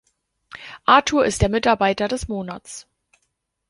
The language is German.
Arthur ist der Mitarbeiter des Monats.